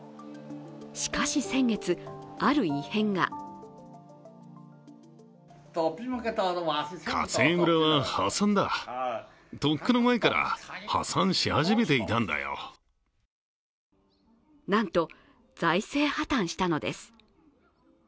しかし先月、ある異変がなんと財政破綻したのです。